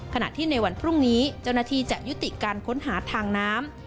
ขณะที่ในวันพรุ่งนี้เจ้าหน้าที่จะยุติการค้นหาทางน้ำ